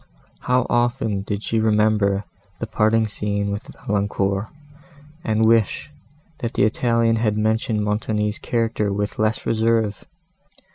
How often did she remember the parting scene with Valancourt, and wish, that the Italian had mentioned Montoni's character with less reserve!